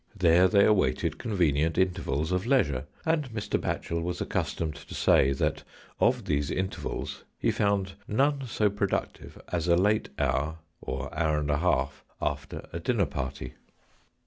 There they awaited convenient intervals of leisure, and Mr. Batchel was accustomed to say that of these intervals he found none so productive as a late hour, or hour and a half, after a dinner party.